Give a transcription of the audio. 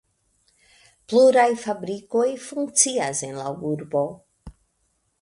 Pluraj fabrikoj funkcias en la urbo.